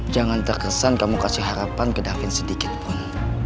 jangan terkesan kamu kasih harapan ke davin sedikitpun